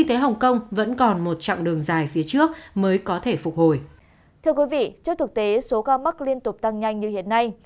thưa quý vị trước thực tế số ca mắc liên tục tăng nhanh như hiện nay